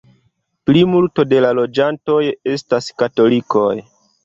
Plimulto de la loĝantoj estas katolikoj.